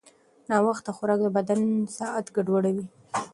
ناوخته خوراک د بدن ساعت ګډوډوي.